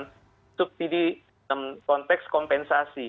dan subsidi konteks kompensasi